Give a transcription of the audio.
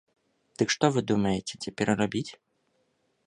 Дык што вы думаеце цяпер рабіць?